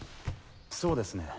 そうですね